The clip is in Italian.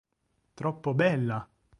Troppo bella!